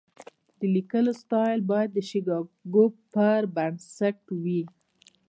د لیکلو سټایل باید د شیکاګو پر بنسټ وي.